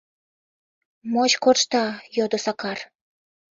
— Моч коршта? — йодо Сакар.